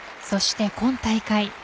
そして今大会